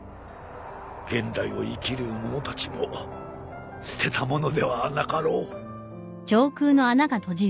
現代を生きる者たちも捨てたものではなかろう。